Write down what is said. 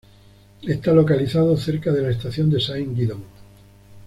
Está localizado cerca de la estación de Saint-Guidon.